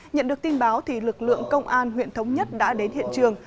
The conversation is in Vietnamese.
nhận được tin báo thì lực lượng công an huyện thống nhất đã đến hiện trường